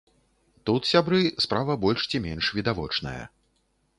Тут, сябры, справа больш ці менш відавочная.